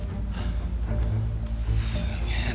すげえな。